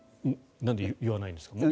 なんで言わないんですか？